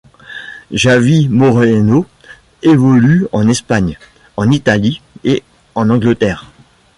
Javi Moreno évolue en Espagne, en Italie et en Angleterre.